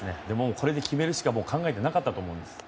これで決めるしか考えてなかったと思います。